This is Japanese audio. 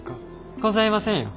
ございませんよ。